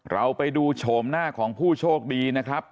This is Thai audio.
เราไปดูโฉมหน้าของผู้โชคดีนะครับ